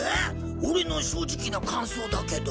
俺の正直な感想だけど。